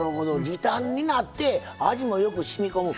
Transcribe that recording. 時短になって味もよくしみこむ。